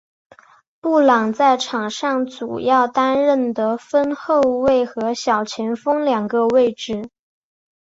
布朗在场上主要担任得分后卫和小前锋两个位置。